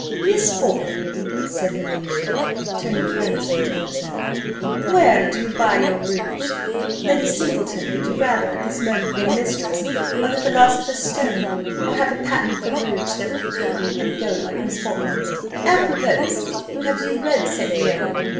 "Miss Portman," said her ladyship, turning carelessly towards her, "where do you buy your rouge? Lady Singleton, would you rather at this moment be mistress of the philosopher's stone, or have a patent for rouge that will come and go like Miss Portman's? Apropos! have you read St. Leon?"